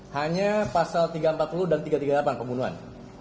hanya pasal tiga ratus empat puluh dan tiga ratus tiga puluh delapan pembunuhan